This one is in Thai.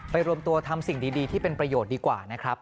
รวมตัวทำสิ่งดีที่เป็นประโยชน์ดีกว่านะครับ